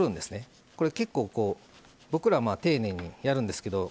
これ結構僕ら丁寧にやるんですけど。